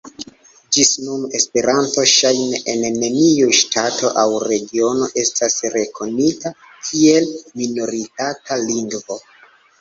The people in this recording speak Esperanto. Ĝis nun Esperanto ŝajne en neniu ŝtato aŭ regiono estas rekonita kiel minoritata lingvo.